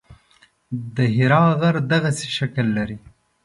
د حرا غر دغسې شکل لري.